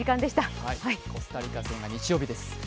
コスタリカ戦は日曜日です。